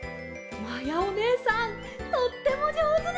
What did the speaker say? まやおねえさんとってもじょうずです！